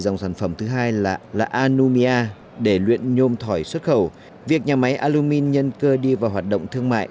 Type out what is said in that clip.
dòng sản phẩm thứ hai là alumia để luyện nhôm thỏi xuất khẩu việc nhà máy alumin nhân cơ đi vào hoạt động thương mại